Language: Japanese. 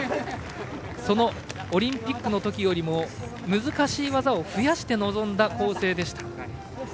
そのオリンピックのときよりも難しい技を増やして臨んだ構成でした。